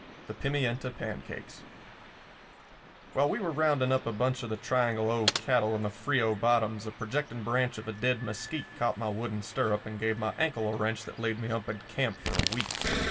V THE PIMIENTA PANCAKES While we were rounding up a bunch of the Triangle O cattle in the Frio bottoms a projecting branch of a dead mesquite caught my wooden stirrup and gave my ankle a wrench that laid me up in camp for a week.